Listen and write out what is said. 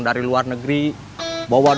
kamu itu juga sudah sekolah